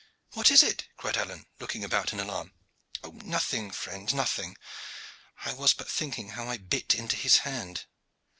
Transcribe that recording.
"What is it?" cried Alleyne, looking about in alarm. "Nothing, friend, nothing! I was but thinking how I bit into his hand.